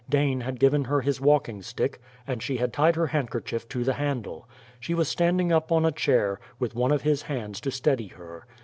Dane had given her his walking stick, and she had tied her handkerchief to the handle. She was standing up on a chair, with one of his hands to steady her.